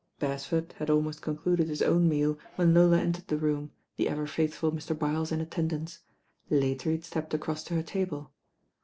Beresford had almost concluded his own meal when Lola entered the room, the ever faithful Mr. Byles in attendance. Later he had stepped across to her table.